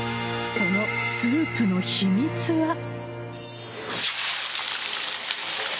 そのスープの秘密は。